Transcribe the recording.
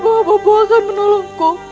bahwa bopo akan menolongku